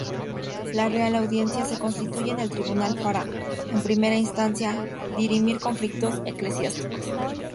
La Real Audiencia se constituye en tribunal para, en primera instancia, dirimir conflictos eclesiásticos.